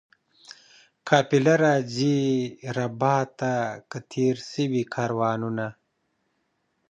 قافله راځي ربات ته که تېر سوي کاروانونه؟